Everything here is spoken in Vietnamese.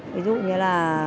ví dụ như là